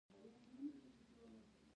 لنډه دا چې یوه لا هم یو غړپ شراب نه دي څښلي.